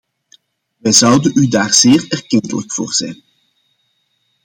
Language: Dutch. Wij zouden u daar zeer erkentelijk voor zijn.